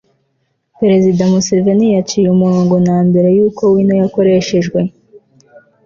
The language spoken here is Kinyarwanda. perezida museveni yaciye umurongo na mbere y'uko wino yakoreshejwe